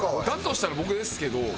だとしたら僕ですけど。